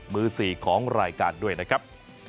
มือ๔ของรายการด้วยนะครับ